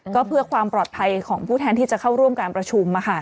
ก็เพื่อความปลอดภัยของผู้แทนที่จะเข้าร่วมการประชุม